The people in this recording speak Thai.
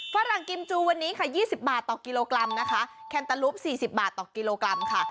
ฝรั่งกิมจูวันนี้ค่ะยี่สิบบาทต่อกิโลกรัมนะคะแคมป์ตะลุ๊ปสี่สิบบาทต่อกิโลกรัมค่ะ